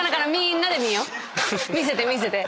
見せて見せて。